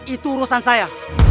itu urusan saya